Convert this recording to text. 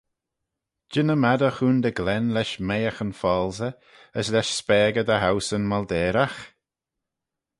Jean-ym ad y choontey glen lesh meihaghyn foalsey, as lesh spagey dy howseyn molteyragh?